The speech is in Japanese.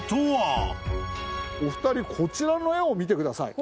お二人こちらの絵を見てください。